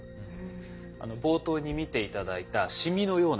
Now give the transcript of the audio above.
冒頭に見て頂いたシミのようなものあったじゃないですか